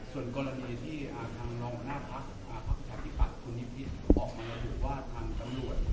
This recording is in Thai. ส่วนกรณีที่ทางน้องบรรทักษ์อาทควรถี่ปัสคุณออกมาแล้วรู้ว่าทางกล่อ